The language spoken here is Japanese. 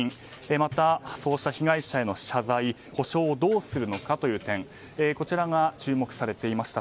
また、そうした被害者への謝罪補償をどうするのかという点こちらが注目されていました。